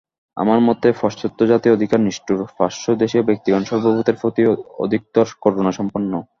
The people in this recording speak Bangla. আমার মতে পাশ্চাত্য জাতি অধিকতর নিষ্ঠুর, প্রাচ্যদেশীয় ব্যক্তিগণ সর্বভূতের প্রতি অধিকতর করুণাসম্পন্ন।